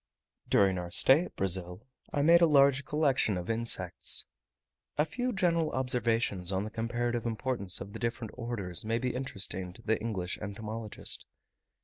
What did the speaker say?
During our stay at Brazil I made a large collection of insects. A few general observations on the comparative importance of the different orders may be interesting to the English entomologist.